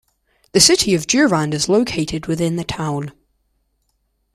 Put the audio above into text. The City of Durand is located within the town.